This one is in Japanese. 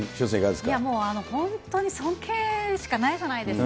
本当に尊敬しかないじゃないですか。